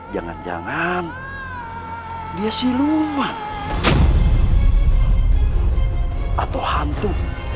jangan jangan dia siluman atau hantu